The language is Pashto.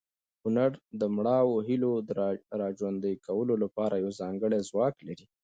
هنر د مړاوو هیلو د راژوندي کولو لپاره یو ځانګړی ځواک لري.